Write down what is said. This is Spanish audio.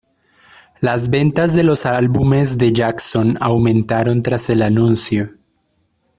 Las ventas de los álbumes de Jackson aumentaron tras el anuncio.